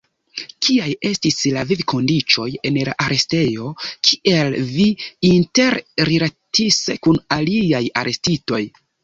Kiaj estis la vivkondiĉoj en la arestejo, kiel vi interrilatis kun aliaj arestitoj?